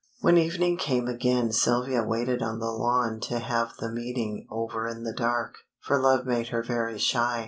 When evening came again Sylvia waited on the lawn to have the meeting over in the dark, for love made her very shy.